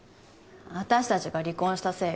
私達が離婚したせいよ